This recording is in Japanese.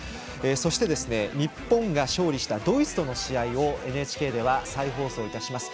そして、日本が勝利したドイツとの試合をＮＨＫでは再放送いたします。